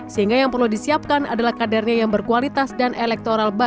sehingga yang perlu disiapkan adalah kadernya yang berkualitas dan elektoral